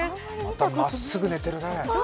またまっすぐ寝てるね。